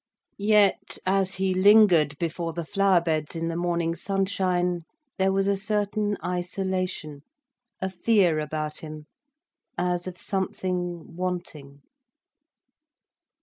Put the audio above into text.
Yet as he lingered before the flower beds in the morning sunshine, there was a certain isolation, a fear about him, as of something wanting.